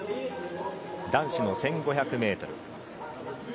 男子の１５００ｍ。